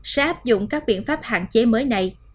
sẽ áp dụng các biện pháp hạn chế mới này